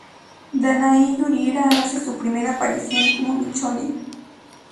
Danai Gurira hace su primera aparición como Michonne.